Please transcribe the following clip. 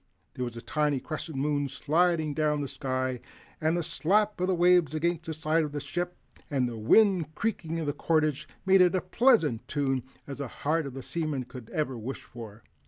There was a tiny crescent moon sliding down the sky, and the slap of waves against the side of the ship and the wind creaking in the cordage made as pleasant a tune as the heart of a seaman could wish for.